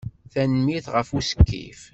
Tanemmirt ɣef usekkif.